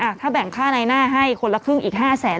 ถ้าแบ่งค่าในหน้าให้คนละครึ่งอีกห้าแสน